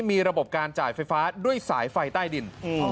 มีระบบการจ่ายไฟฟ้าด้วยสายไฟใต้ดิน